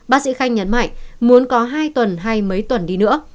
bác sĩ khanh nhấn mạnh muốn có hai tuần hay mấy tuần đi nữa